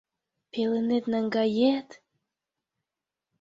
— Пеленет наҥгает...